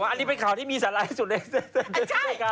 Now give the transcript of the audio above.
ปลาหมึกแท้เต่าทองอร่อยทั้งชนิดเส้นบดเต็มตัว